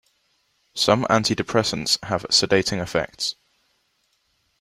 Some antidepressants have sedating effects.